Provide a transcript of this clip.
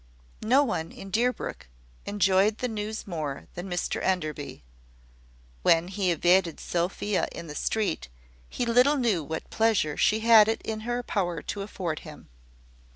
No one in Deerbrook enjoyed the news more than Mr Enderby. When he evaded Sophia in the street, he little knew what pleasure she had it in her power to afford him.